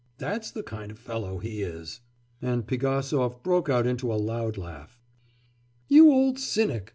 That's the kind of fellow he is.' And Pigasov broke into a loud laugh. 'You old cynic!